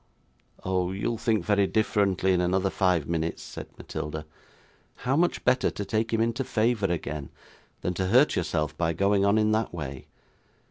'Oh! you'll think very differently in another five minutes,' said Matilda. 'How much better to take him into favour again, than to hurt yourself by going on in that way.